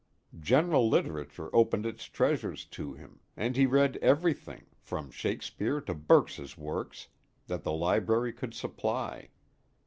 General literature opened its treasures to him, and he read everything, from Shakespeare to Burke's Works, that the library could supply.